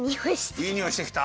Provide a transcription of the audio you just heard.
いいにおいしてきた？